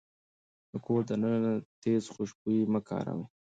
د کور دننه تيز خوشبويي مه کاروئ.